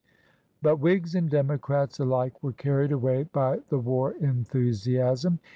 But Whigs and Democrats alike were carried away by the war enthusiasm.